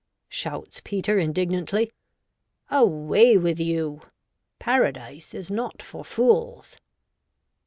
shouts Peter, indignantly ;' away with you. Paradise is not for fools